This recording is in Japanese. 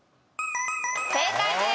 正解です。